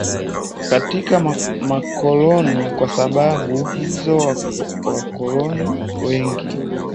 katika makoloni Kwa sababu hizo wakoloni wengi